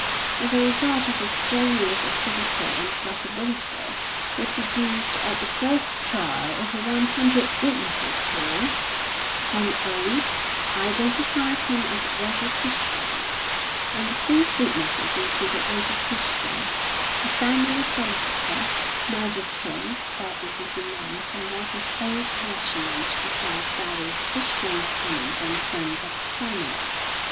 As a result of his strenuous activity and plausibility he produced at the first trial over one hundred witnesses who, on oath, identified him as Roger Tichborne; and these witnesses included Lady Tichborne, the family solicitor, magistrates, officers and men from Roger's old regiment besides various Tichborne tenants and friends of the family.